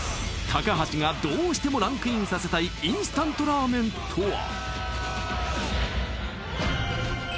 高橋がどうしてもランクインさせたいインスタントラーメンとは？